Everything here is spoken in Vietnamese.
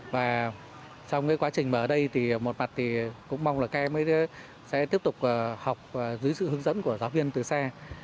và trong cái quá trình mà ở đây thì một mặt thì cũng mong là các em sẽ tiếp tục học dưới sự hướng dẫn của giáo viên từ xe